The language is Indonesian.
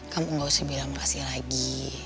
kamu tidak usah bilang makasih lagi